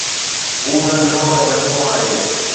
هو ننڍڙو ۽ هلڪو آهي.